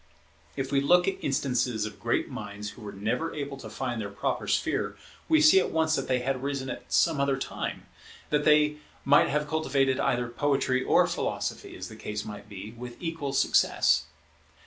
If we look at instances of great minds who were never able to find their proper sphere, we see at once that had they risen at some other time, they might have cultivated either poetry or philosophy, as the case might be, with equal success.